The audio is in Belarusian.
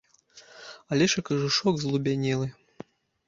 Але ж і кажушок злубянелы!